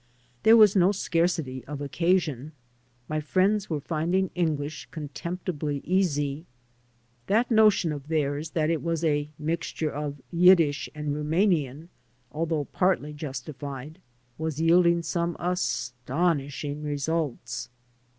There was no scarcity of occasion. My friends were finding English contemptibly easy. That notion of theirs that it was a mixture of Yiddish and Runumian, although partly justified, was yielding some astonishing results.